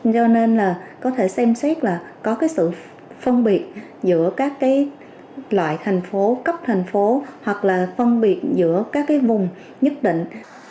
do nên là có thể xem xét là có cái sự phân biệt giữa các cái loại thành phố cấp thành phố hoặc là phân biệt giữa các cái vùng nhất định